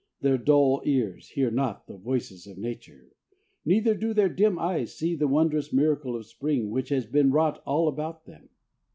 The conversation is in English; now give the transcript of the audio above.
Their dull ears hear not the voices of nature, neither do their dim eyes see the wondrous miracle of spring which has been wrought all about them.